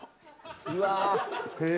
うわ。